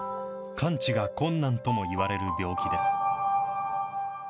完治が困難ともいわれる病気です。